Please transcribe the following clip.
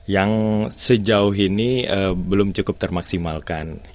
yang sejauh ini belum cukup termaksimalkan